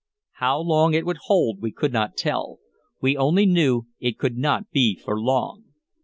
How long it would hold we could not tell; we only knew it could not be for long.